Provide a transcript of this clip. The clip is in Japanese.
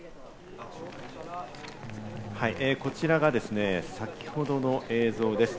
はい、こちらが先ほどの映像です。